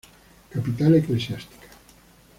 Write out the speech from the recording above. Capital Eclesiástica.